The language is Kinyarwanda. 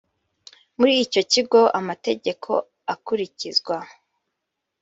Muri icyo kigo amategeko akurikizwa